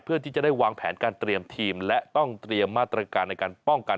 เพื่อที่จะได้วางแผนการเตรียมทีมและต้องเตรียมมาตรการในการป้องกัน